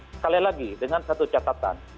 sekali lagi dengan satu catatan